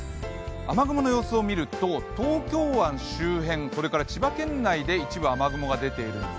雨雲の様子を見ると東京湾周辺、それから千葉県内で一部雨雲が出ています。